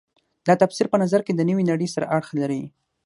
دا تفسیر په نظر کې د نوې نړۍ سره اړخ لري.